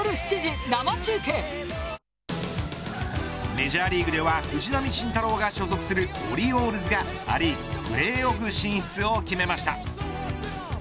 メジャーリーグでは藤浪晋太郎が所属するオリオールズがア・リーグプレーオフ進出を決めました。